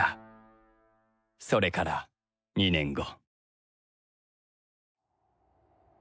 それから２年後